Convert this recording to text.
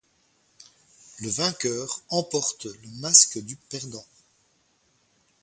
Le vainqueur emporte le masque du perdant.